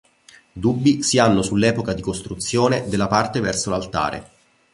Dubbi si hanno sull'epoca di costruzione della parte verso l'altare.